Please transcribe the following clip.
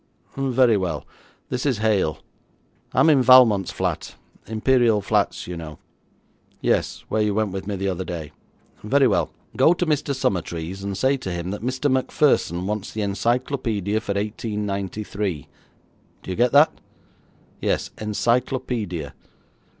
Very well. This is Hale. I am in Valmont's flat Imperial Flats you know. Yes, where you went with me the other day. Very well, go to Mr. Summertrees, and say to him that Mr Macpherson wants the encyclopaedia for 1893. Do you get that? Yes, encyclopaedia.